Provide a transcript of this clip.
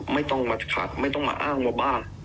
ไม่ต้องมาขัดไม่ต้องมาอ้างว่าบ้า